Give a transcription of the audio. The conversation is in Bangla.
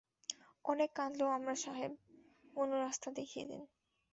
অনেক ক্লান্ত আমরা সাহেব, কোনো রাস্তা দেখিয়ে দিন।